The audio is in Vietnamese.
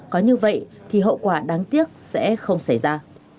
có như vậy thì hậu quả đáng tiếc sẽ không xảy ra